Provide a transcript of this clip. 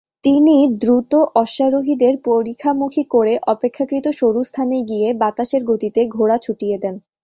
তিনি দ্রুত অশ্বারোহীদের পরিখামুখী করে অপেক্ষাকৃত সরু স্থানে গিয়ে বাতাসের গতিতে ঘোড়া ছুটিয়ে দেন।